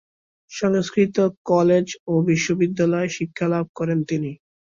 সংস্কৃত college ও বিশ্ববিদ্যালয়ে শিক্ষালাভ করেন তিনি।